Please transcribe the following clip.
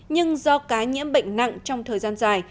nhưng do cá nhiễm bệnh nặng trong thời gian dài